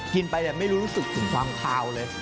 กินไปแต่ไม่รู้รู้สึกถึงความคาวเลย